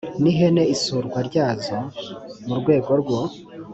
n ihene isurwa ryazo mu rwego rwo